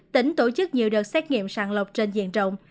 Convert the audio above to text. tỉnh tổ chức nhiều đợt xét nghiệm sàng lọc trên diện rộng